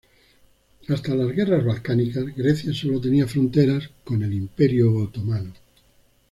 Hasta las guerras balcánicas, Grecia solo tenía fronteras con el Imperio otomano.